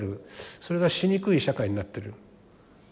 それがしにくい社会になってる。